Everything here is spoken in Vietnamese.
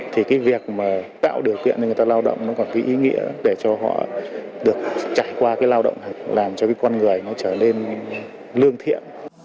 thì cái việc mà tạo điều kiện cho người ta lao động nó còn cái ý nghĩa để cho họ được trải qua cái lao động làm cho cái con người nó trở lên lương thiện